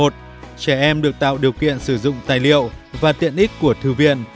một trẻ em được tạo điều kiện sử dụng tài liệu và tiện ích của thư viện